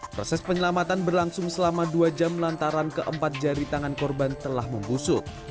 proses penyelamatan berlangsung selama dua jam lantaran keempat jari tangan korban telah membusuk